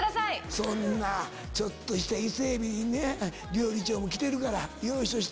そんなちょっとした伊勢海老にね料理長も来てるからよいしょして。